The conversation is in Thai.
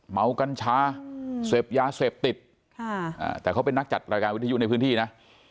มากัญชาเสพยาเสพติดแต่เขาเป็นนักจัดรายการวิทยุในพื้นที่นะ